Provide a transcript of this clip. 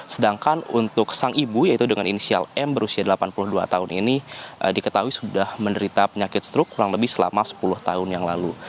sedangkan untuk sang ibu yaitu dengan inisial m berusia delapan puluh dua tahun ini diketahui sudah menderita penyakit strok kurang lebih selama sepuluh tahun yang lalu